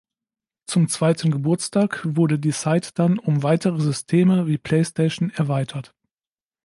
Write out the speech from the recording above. Zum zweiten Geburtstag wurde die Site dann um weitere Systeme wie Playstation erweitert.